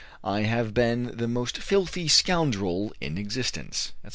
I have been the most filthy scoundrel in existence," etc.